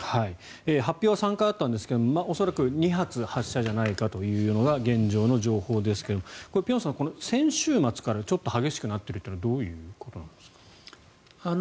発表は３回ありましたが恐らく２発発射じゃないかという現状の情報ですが辺さん、先週末からちょっと激しくなっているというのはどういうことなんですか？